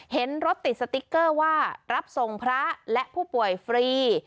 เห็นรถติดสติ๊กเกอร์ว่ารับส่งพระและผู้ป่วยฟรี